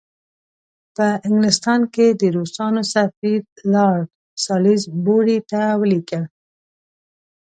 په انګلستان کې د روسانو سفیر لارډ سالیزبوري ته ولیکل.